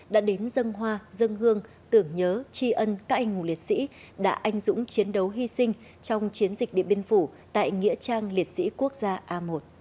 đã đến dân hoa dân hương tưởng nhớ tri ân các anh hùng liệt sĩ đã anh dũng chiến đấu hy sinh trong chiến dịch điện biên phủ tại nghĩa trang liệt sĩ quốc gia a một